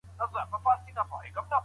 شراب په خوښیو کي مه څښئ.